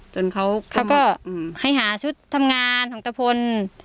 เขาก็ให้หาชุดทำงานของตะพล